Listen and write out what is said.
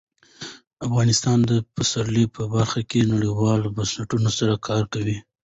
افغانستان د پسرلی په برخه کې نړیوالو بنسټونو سره کار کوي.